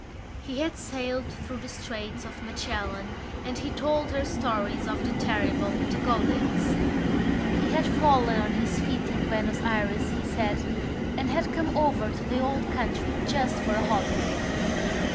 He had sailed through the Straits of Magellan and he told her stories of the terrible Patagonians. He had fallen on his feet in Buenos Ayres, he said, and had come over to the old country just for a holiday.